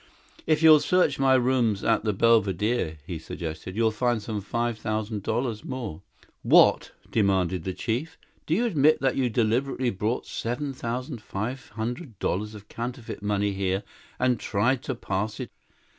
"If you'll search my room at the Belvedere," he suggested, "you'll find some five thousand dollars more." "What?" demanded the chief. "Do you admit that you deliberately brought seven thousand five hundred dollars of counterfeit money here and tried to pass it?"